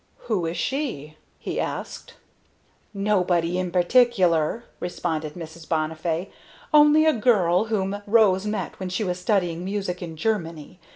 "Who is she?" he asked. "Nobody in particular," responded Mrs. Bonnifay; "only a girl whom Rose met when she was studying music in Germany.